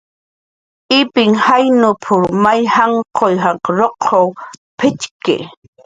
"Ipinhq jaynp""r may janq' ruqw p'itxki"